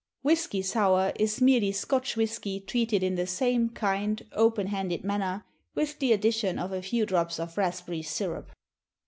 WHISKY SOUR is merely Scotch whisky treated in the same kind, open handed manner, with the addition of a few drops of raspberry syrup.